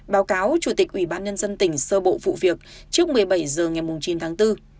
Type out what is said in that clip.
báo cáo chủ tịch ủy ban nhân dân tỉnh sơ bộ vụ việc trước một mươi bảy h ngày chín tháng bốn